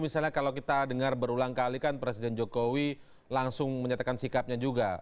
misalnya kalau kita dengar berulang kali kan presiden jokowi langsung menyatakan sikapnya juga